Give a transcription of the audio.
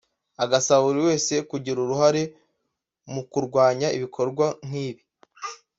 agasaba buri wese kugira uruhare mu kurwanya ibikorwa nk’ibi